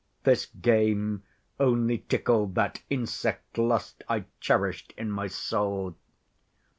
This game only tickled that insect lust I cherished in my soul.